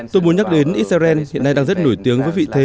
tôi muốn nhắc đến israel hiện nay đang rất nổi tiếng với vị thế